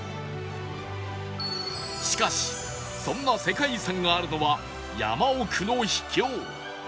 しかしそんな世界遺産があるのは山奥の秘境